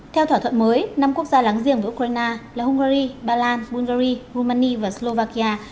theo thỏa thuận mới năm quốc gia láng giềng của ukraine là hungary ba lan bulgaria romania và slovakia